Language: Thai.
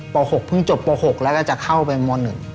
โปร๖เพึ่งจบโปร๖และจะเข้าไปม๑